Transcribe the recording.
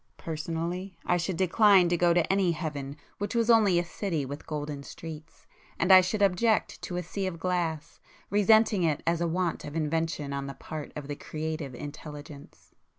Personally I should decline to go to any heaven which was only a city with golden streets; and I should object to a sea of glass, resenting it as a want of invention on the part of the creative Intelligence.